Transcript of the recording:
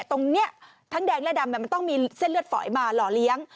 ตรงนี้ทั้งแดงและดำมันต้องมีเส้นเลือดฝอยมาหล่อเลี้ยง